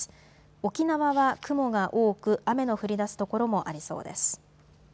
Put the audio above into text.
沖縄は雲が多く雨の降りだす所もありそうです。